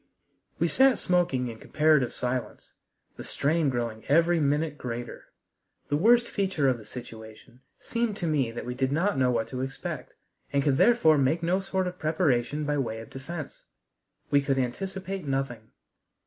We sat smoking in comparative silence, the strain growing every minute greater. The worst feature of the situation seemed to me that we did not know what to expect, and could therefore make no sort of preparation by way of defense. We could anticipate nothing.